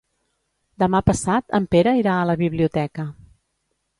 Demà passat en Pere irà a la biblioteca.